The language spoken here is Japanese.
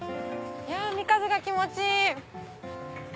海風が気持ちいい！